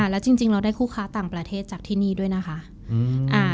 แล้วจริงเราได้คู่ค้าต่างประเทศจากที่นี่ด้วยนะคะ